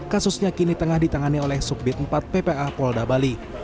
kasusnya kini tengah ditangani oleh subdit empat ppa polda bali